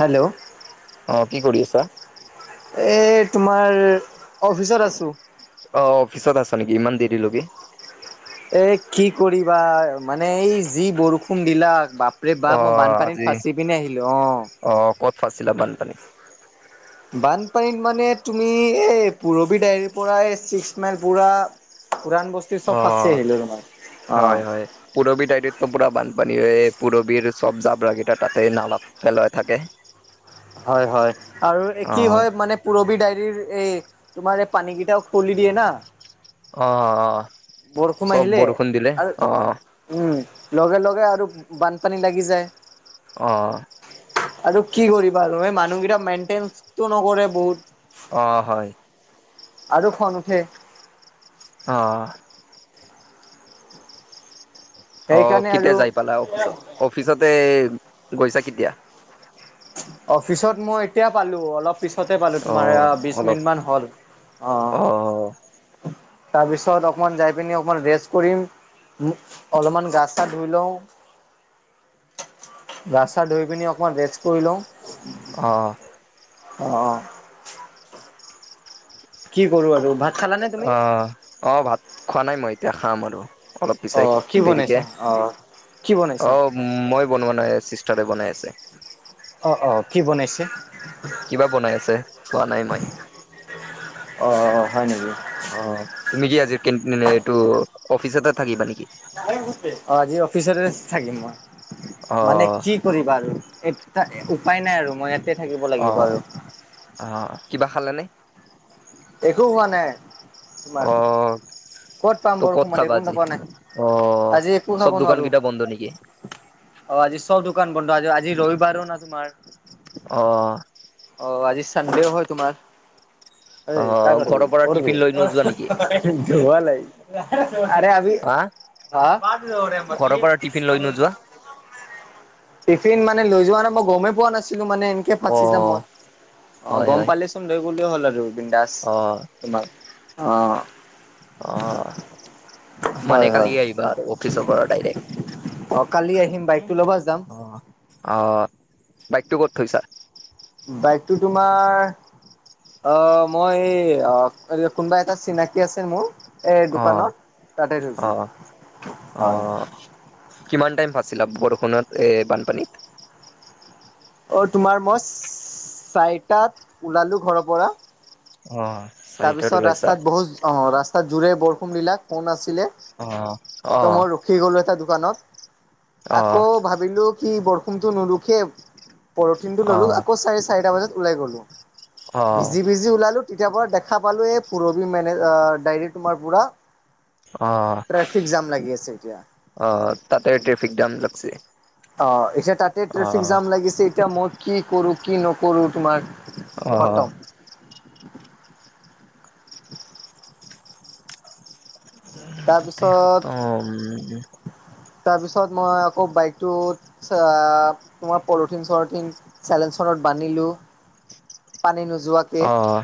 Hello, অ কি কৰি আছা। এই তোমাৰ অফিচত আছোঁ। অ অফিচত আছ নেকি ইমান দেৰিলৈকে। এ কি কৰিবা মানে এই যি বৰষুণ দিলাক বাপ বাপৰে অ বাপ মই আজি বানপানীত ফাঁচি পিনে আহিলো অ। অ ক'ত ফছিলা বানপানী। বানপানীত মানে তুমি এই পুৰবি দাইৰ পৰা ছিক্স মাইল পুৰা। পুৰাণ বস্তি অ চব ফাছি আহিলে তোমাৰ অ। পুৰবীৰ টাইটতো পূৰা বানপানীয়ে পুৰবীৰ চব জাবৰাকেইটা তাতেই নালাত পেলাই থাকে। হয় হয় আৰু অ কি হয় মানে। পুৰবি ডায়াইৰ এই তোমাৰ এই পানীকেইটাও খুলি দিয়ে না। অ অ বৰষুণ চব আহিলে বৰষুণ দিলে আৰু অ অ। উম লগে লগে আৰু বানপানী লাগি যায়। অ। আৰু কি কৰিবা আৰু এই মানুহকেইটা মেইনটেনটো নকৰে বহুত। অ হয়। আৰু খন উঠে। অ অ, অ সেইকাৰণে আৰু কেতিয়া যাই পালা অফিচত অফিচতে গৈছা কেতিয়া। অফিচত মই এতিয়া পালো অলপ। পিছতে পালো অ তোমাৰ বিশ অলপ মিনিটমান হ'ল অ, তাৰ পিছত অকমান যাই পিনি অকমান ৰেষ্ট কৰিম। মোক অলপমান গা চা ধুই লওঁ। [inaudible] গা চা ধুই পিনি অকমান ৰেষ্ট কৰি লওঁ। অ অ। অ অ। কি কৰোঁ আৰু ভাত, খালানে তুমি অ অ ভাত খোৱা নাই মই এতিয়া খাম আৰু অলপ অ পিছাই কি দেৰিকে বনাইছা অ কি অ, বনাইছা উম মই বনোৱা নাই চিষ্টাৰে বনাই আছে। অ অ কি বনাইছে। কিবা বনাই আছে চোৱা নাই মই। অ হয় নেকি। অ তুমি কি আজি কিন মানে এইটো অফিচতে থাকিবা নেকি। অ আজি অফিচতে থাকিম মই অ মানে কি। কৰিবা আৰু এই উপায় নাই আৰু মই থাকিব অ লাগিব আৰু অ কিবা খালেনে। একো হোৱা নাই। তোমাৰ অ ক'ত পাম ত ক'ত বৰষুণতে খাবা একো আজি নকোৱা অ নাই আজি একো চব খাব দোকান নোৱাৰো। কেইটা বন্ধ নেকি অ আজি চব দোকান বন্ধ আজ আজি ৰবিবাৰো ন তোমাৰ। অ অ আজিৰ চানডেও হয় তোমাৰ, অ এই কা কৰবি ঘৰৰ পৰা কৰবে। টিফিন লৈ নোযোৱা নেকি ধোৱালাই। আৰে আবি হা হা ঘৰৰ পৰা টিফিন লৈ [unintelligible] নোযোৱা টিফিন মানে লৈ যোৱা নাই মই গমেই পোৱা নাছিলো মানে এনেকে অ ফাচি যাম মই। অ হয় গম হয় পালেচোন লৈ গলেও হ'ল আৰু ৰ বিনদাস অ তোমাৰ অ। অ হয় মানে হয় কালি আহিবা আৰু অফিচৰ পৰা ডাইৰেক্ট। অ কালি আহিম বাইকটো ল'বা যাম। অ অহ বাইকটো ক'ত থৈছা। বাইকটো তোমাৰ। অ মই এই কোনোবা এটা চিনাকি আছে মোৰ। এই অ দোকানত তাতে অ থৈছো হয়। অ কিমান টাইম ফাছিলা বৰষুণত এই বানপানীত। অ তোমাৰ মই চাৰিটাত ওলালোঁ ঘৰৰ পৰা। অ তাৰ চাৰিটাত পিছত ওলাইছা? ৰাস্তাত বহুত অ ৰাস্তাত জোৰে বৰষুণ দিলাক। কোন আছিলে অ', ত অ', ময়। ৰখি গলো এটা দোকানত অ', আকৌ ভাবিলোঁ কি বৰষুণটো নৰুখে পৰথিনটো ললো আকৌ চাৰে চাৰিটা বজাত ওলাই গলো ভিজি অ', ভিজি ওলালো তেতিয়া পৰা দেখ খা পালো এ পুৰবি মে দাইৰেক তোমাৰ পুৰা। অ ট্ৰেফিক জাম লাগি আছে এতিয়া। অ তাতে ট্ৰেফিক জাম লাগছে। অ এচিয়া তাতে ট্ৰেফিক জাম লাগিছে এতিয়া মই কি কৰো কি নকৰো তোমাৰ। অ খতম। তাতে তাৰপিছত খতম। তাৰপিছত মই আকৌ বাইকটোত [unintelligible] তোমাৰ পলথিন চলিথিন চেলেঞ্চনত বান্ধিলো পানী নোযোৱা কে অ',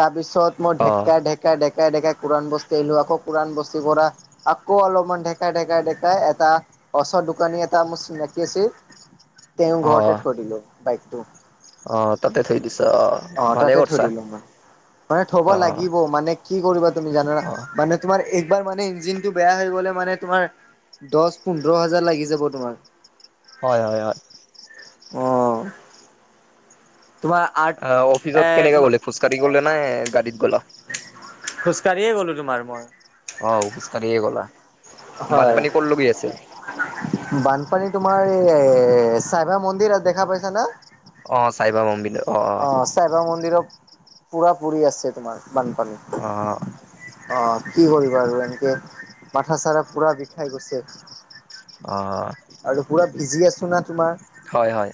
তাৰপিছত মই অ', ঢেকা ঢেকা ঢেকাই ঢেকাই কোৰান বস্তুি আহিলো আকৌ উৰাণ বস্তি পৰা। আকৌ অলপমান ঢেকাই ঢেকাই ঢেকাই এটা ওচৰ দোকানী এটা মোৰ চিনাকি আছিল। [inaudible] তেওঁ ঘৰতে অ', কৰি দিলো বাইকটো। অ তাতে থৈ দিছ অ ভালে তাতে থৈ কৰছা। দিলো মই। মানে থব অ', লাগিব মানে কি কৰিবা তুমি জানা না? অ', তোমাৰ একবাৰ মানে ইঞ্জিন টো বেয়া হৈ গলে মানে তোমাৰ। দচ, পোন্ধৰ হাজাৰ লাগি যাব তোমাৰ। হয় হয় হয়। অ' তোমাৰ আৰ্ট অ' অফিচত এ কেনেকে তোমাৰ গলি খোজকাঢ়ি গলে নে গাড়ীত গ'ল? খোজকাঢ়িয়ে গ'লো তোমাৰ মই। অ খোজকাঢ়িয়েই গ'লা। হয়। বানপানী ক'ৰ লগি আছিল? বানপানী তোমাৰ এই চাইভাৰ মন্দিৰত দেখা পাইছা না? অ চাইভাৰ মন্দিৰত অ অ চাইবাৰ মন্দিৰত পুৰা পুৰি আছে তোমাৰ বানপানীত। অ' অ, কি কৰিবা আৰু এনেকে মাঠা চাৰা পুৰা বিষাই গৈছে। অ', আৰু পুৰা ভিজি আছো না তোমাৰ হয়- হয়।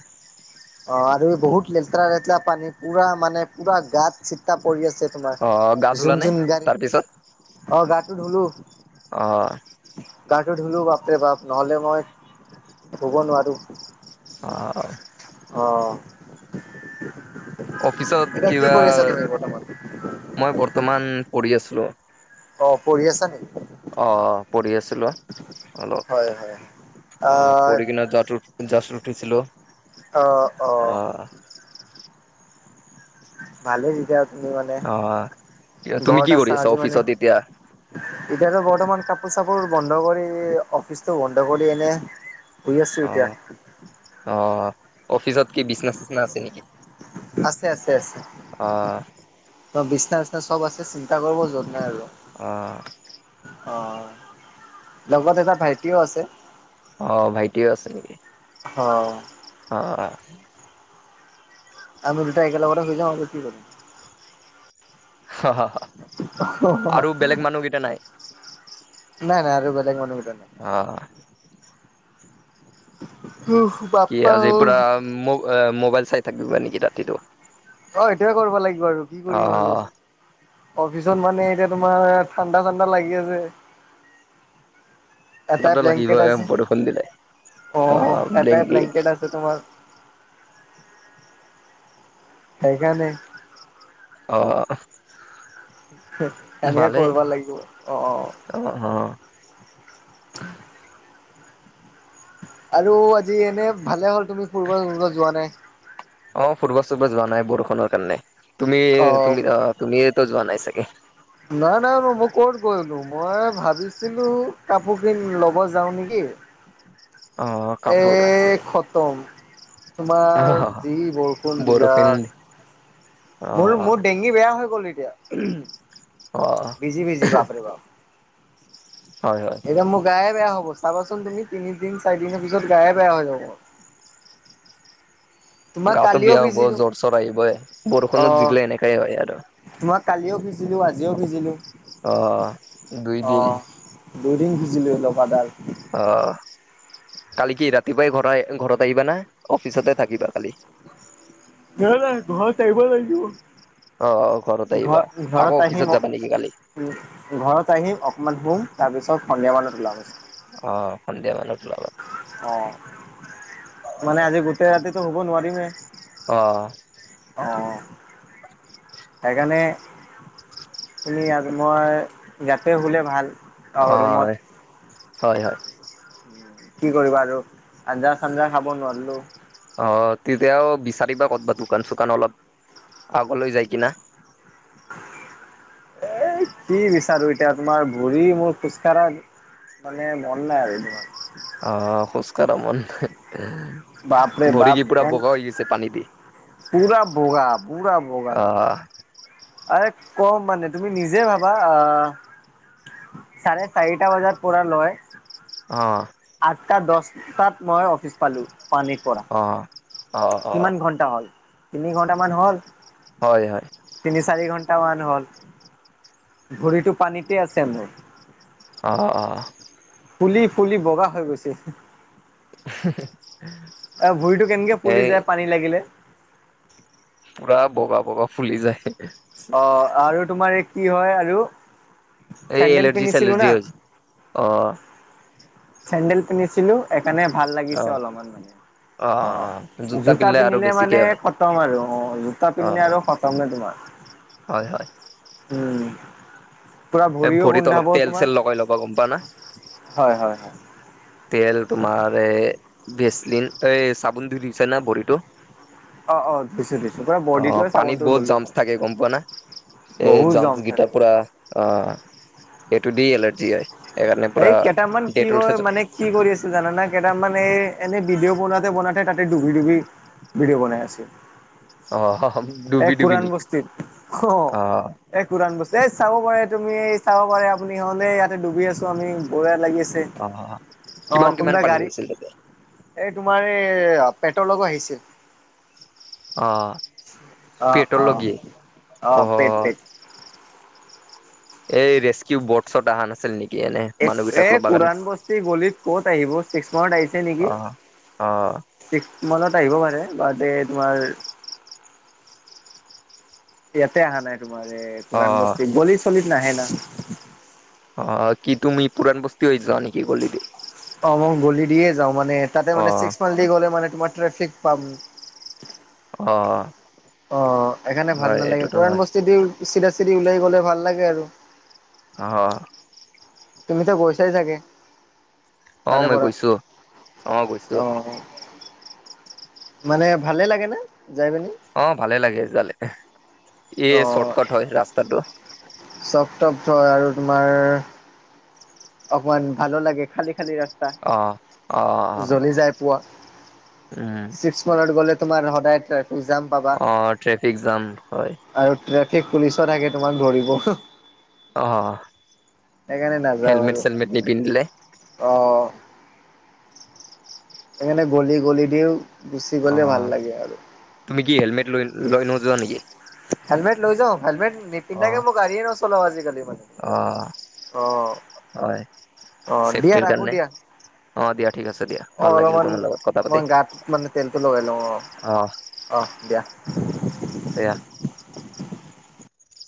অ, আৰু এই বহুত লেতেৰা লেতেৰা পানী পুৰা মানে পুৰা গাত চিতা পৰি আছে। অ গা তোমাৰ যোন ধুলানে যোন গাড়ী তাৰপিছত অ, গাটো ধুলো। অ', গাটো ধুলো বাপৰে বাপ নহ'লে মই শুব নোৱাৰো। অ অ, অফিচত এতিয়া কি কিবা কৰি আছা তুমি বৰ্তমান? মই বৰ্তমান পঢ়ি আছিলো। অ, পঢ়ি আছা নেকি? অ, পঢ়ি আছিলো অলপ হয় হয় অ, আহ পঢ়ি কিনে যোৱাতো গাছত উঠিছিলো অ, ভালেই যেতিয়া তুমি মানে অ তুমি ঘৰত কি কৰি আছা আজি মানে। অফিচত এতিয়া এতিয়াতো বৰ্তমান কাপোৰ চাপোৰ বন্ধ কৰি অফিচতটো বন্ধ কৰি এনে শুই আছো অ এতিয়া। অ, অফিচত কি বিচনা চিচনা আছে নেকি? আছে-আছে-আছে। অ', বিচনা চিচনা চব আছে চিন্তা কৰিব য'ত নাই আৰু। অ', অ, লগত এটা ভাইটিও আছে। অ, ভাইটিও আছে নেকি? অ', অ', আমি দুটা একেলগতে শুই যাম আৰু কি কৰিম। অ, আৰু বেলেগ মানুহকেইটা নাই। নাই - নাই আৰু বেলেগ মানুহ কথা নাই। অ', হম। কি আজি পুৰা ম মোবাইল চাই থাকিবা নেকি ৰাতিটো অ, সেইটোৱে কৰিব লাগিব আৰু কি অ কৰিম আৰু। অফিচত মানে এতিয়া তোমাৰ ঠাণ্ডা - ঠাণ্ডা লাগি আছে। এটাই ঠাণ্ডাটো ব্লেংকেট লাগিবই আছে বৰষুণ দিলে অ, এটাই ব্লেংকেট আছে তোমাৰ। সেইকাৰানে অ', সেনেকে ভালেই কৰিব লাগিব অ, অ', অ', আৰু আজি এনে ভালে হ'ল তুমি ফুৰবা চুৰবা যোৱা নাই। অ, ফুটবল চুটবল যোৱা নাই বৰষুণৰ কাৰণে। তুমি অ - তুমি - তুমি এইটো যোৱা নাই চাগে। নাই - নাই ম মই ক'ত গৈলো মই ভাবিছিলো কাপোৰ কিন ল'ব যাও নেকি। অ', এ কাপোৰ খতম। তোমাৰ অ', যি বৰষুণ বিলাক মোৰ - অ', মোৰ দে খি বেয়া হৈ গ'ল এতিয়া অ', ভিজি - ভিজি বাপৰে বাপ। হয় - হয়। এতিয়া মোৰ গায়ে বেয়া হ'ব চাবাচোন তুমি তিনিদিন চাৰিদিনৰ পিছত গায়ে বেয়া হৈ যাব। তোমাক গাৱতো কালিও বেয়া হ'ব ভিজিলো জ্বৰ চৰ আহিবই বৰষুণত ভিজিলে এনেকাই হয় আৰু। মই কালিও ভিজিলো আজিও ভিজিলো। অ, দুইদিন। দুই দিন ভিজিলো লগাতাৰ। অ কালি কি ৰাতিপুৱাই ঘৰ ঘৰত আহিবা না অফিচতে থাকিবা কালি নাই নাই ঘৰত আহিব লাগিব অ অ ঘৰত আহিবা আকৌ অফিচত যাবা নেকি কালি? উ ঘৰত আহিম অকমান শুম তাৰ পিছত সন্ধিয়া মানত ওলাম। অ, সন্ধিয়া মানত ওলাবা। অ, মানে আজি গোটেই ৰাতিটো শুব নোৱাৰিমে। অ', অ', সেইকাৰণে তুমি ইয়াত মই ইয়াতে শুলে ভাল আৰু ৰুমত হয় হয় হয় কি কৰিবা আৰু আঞ্জা চাঞ্জা খাব নোৱাৰিলো। অ তেতিয়াও বিচাৰিবা ক'তবা দোকান চোকান অলপ আগলৈ যায় কিনা [unintelligible] এ কি বিচাৰো এতিয়া তোমাৰ ভৰি মোৰ খোজকাঢ়া মানে মন নাই আৰু তোমাৰ অ খোজকাঢ়া মন বাপৰে ভৰি বাপ কি পুৰা বগা হৈ গৈছে পানী দি পুৰা বগা পুৰা বগা তোমাৰ অ আৰে কম মানে তুমি নিজে ভাবা আহ চাৰে চাৰিটা বজাত পুৰা লয় অ আঠটা দহটাত মই অফিচ পালো পানীৰ পৰা অ অ অ কিমান ঘন্টা হ'ল তিনি ঘণ্টামান হ'ল হয় হয় তিনি চাৰি ঘন্টামান হ'ল ভৰিটো পানীতে আছে মোৰ অ অ ফুলি ফুলি বগা হৈ গৈছে হে হে এহে হে এ ভৰিতো কেনেকে ফুলি যায় পানী লাগিলে পুৰা বগা বগা ফুলি যায় হে এ। অ আৰু তোমাৰ এই কি হয় আৰু এই চেন্দেল এলাৰ্জি পিন্ধিছিলো না চেলাৰ্জি হয় যে অ চেণ্ডেল পিন্ধিছিলো সেকাৰণে ভাল লাগিছে অলপমান মানে। অ অ অ জোতা আৰু পিন্ধিলে বেছিকে মানে হয় খতম আৰু অ জোতা অ পিন্ধিলে আৰু খতমে তোমাৰ হয় হয় উম পুৰা এই ভৰিও ভৰিত অলপ গোন্ধাব তেল চেল তোমাৰ লগাই ল'বা গম পা না হয় হয় হয় তেল তোমাৰ এ ভেচলিন এই চাবোন দি দিছে না ভৰিটো অ অ দিছো দি অ পানী বহুত জমচ থাকে গম পোৱা না এই বহুত জমচ জম গেইটাৰ থাকে পৰা অ সেইটো দি এলাৰ্জি হয় সেইকাৰণে পুৰা এই কেইটামান কি ডেটল হয় মানে কি কৰি আছো জানানে কেইটামান এই এনে ভিডিঅ' বনোৱাতে বনোৱাতে তাতে ডুবি ডুবি ভিডিঅ' বনাই আছে অ এই ডুবি ডুবি কোৰান নেকি বস্তিত অ অহ এ কুৰান বস্তু এ চাব পাৰে তুমি এই চাব পাৰে আপুনি হলে ইয়াতে ডুবি আছো আমি ভয় লাগি আছে অ কিমান কিমান পানী হৈছিল তেতিয়া? এ তোমাৰ এই পেটলকো আহিছিল অ অঁ, অঁ, পেটলৈকে অ আহ পেট-পেট। এই ৰেস্কিউব বট-চট অহা নাছিল নেকি, এনে এক এ মানুহকেইটাক ল'বা কাৰণে? কোৰাণ বস্তি গলিত ক'ত আহিব, চিক্সমাৰত আহিছে নেকি? অ অ ছিক্স মানত আহিব পাৰে, তাতে তোমাৰ ইয়াতে অহা নাই তোমাৰ এই অ পুৰাণ বস্তিত গলি-চলিত নাহে না? অ কি তুমি পুৰাণ বস্তি হৈ যোৱা নেকি গলি দি? অ মই গলি দিয়ে যাও মানে তাতে অ মানে ছিক্স মাইল দি গ'লে মানে তোমাৰ ট্ৰেফিক পাম অ অ এইকাৰণে ভাল হয় নালাগে এইটোতো কৰান হয় বস্তি দি চিধা চিধি ওলাই গলে ভাল লাগে আৰু। অ তুমিতো গৈছাই চাগে অ তাৰে মই পৰা গৈছো অ মানে ভালে লাগে নে অ ভালে লাগে জালে, ই চৰ্ট কট হয় ৰাস্তাটো। চফ-টব থ হয় আৰু তোমাৰ অকমান ভালো লাগে, খালি-খালি ৰাস্ত তাৰ, অ', অ', অ', জলি যাই পোৱা, উম, ছিক্স মানত গ'লে তোমাৰ সদায়ত তুই‌ যাম অ ট্ৰেফিক জাম হয়। আৰু ট্ৰেফিক পুলিচ'অ থাকে তোমাক ধৰিব, হো'হ। অ সেইকাৰণে নাযাওঁ আৰু হেলমেট-চেলমেট নিপিন্ধিলে। অ সেইকাৰণে গলি-গলি দিও, গুচি গ'লে অ', ভাল লাগে আৰু। তুমি কি হেলমেট লৈ লৈ নোযোৱা নেকি? হেলমেট লৈ যাওঁ, হেলমেট পিন্ধাকে অ', মই গাড়ীয়ে নচলাও আজিকালি মানে অ', অ [unintelligible] হয়, অ দিয়া চেফটিৰ ৰাখো কাৰণে দিয়া। অ', দিয়া ঠিক আছে দিয়া অ ভাল লাগিল অলপমান তোমাৰ লগত কথা পাতি মই গাত মানে তেলটো লগাই লওঁ অ। অহ দিয়া। এয়া।